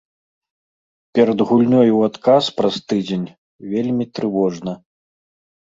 Перад гульнёй у адказ праз тыдзень вельмі трывожна.